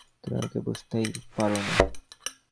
তুমি আমাকে বুঝতেই পারোনি।